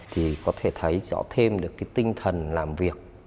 thì có thể thấy rõ thêm được cái tinh thần làm việc